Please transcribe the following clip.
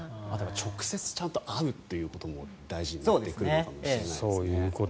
直接会うということも大事になってくるのかもしれないですね。